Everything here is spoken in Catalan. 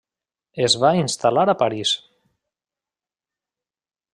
Es va instal·lar a París.